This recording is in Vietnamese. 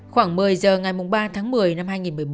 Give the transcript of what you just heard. khoảng một mươi giờ ngày ba tháng một mươi năm hai nghìn một mươi bốn